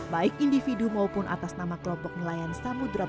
baik individu maupun atas nama kelompok nelayan samudra bakti